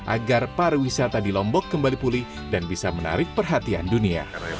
agar pariwisata di lombok kembali pulih dan bisa menarik perhatian dunia